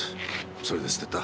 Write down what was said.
それで捨てた。